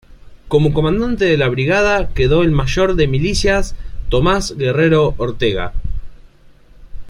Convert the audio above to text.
Como comandante de la brigada quedó el mayor de milicias Tomás Guerrero Ortega.